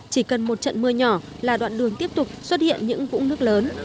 chỉ cần một trận mưa nhỏ là đoạn đường tiếp tục xuất hiện những vũng nước lớn